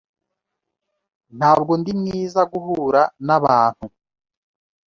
Ntabwo ndi mwiza guhura nabantu.